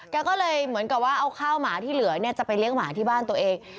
แกก็เลยเหมือนกับว่าเอาข้าวหมาที่เหลือเนี่ยจะไปเลี้ยงหมาที่บ้านตัวเอง